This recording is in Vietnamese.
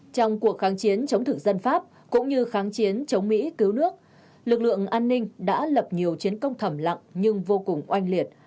trong cuộc kháng chiến chống thực dân pháp cũng như kháng chiến chống mỹ cứu nước lực lượng an ninh đã lập nhiều chiến công thẩm lặng nhưng vô cùng oanh liệt